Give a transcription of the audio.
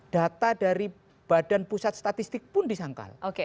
data dari badan pusat statistik pun disangkal